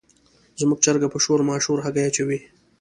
زموږ چرګه په شور ماشور هګۍ اچوي.